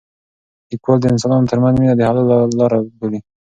لیکوال د انسانانو ترمنځ مینه د حل لاره بولي.